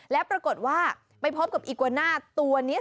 แล้วปรากฏว่าไปพบกับอีกวาน่าตัวนี้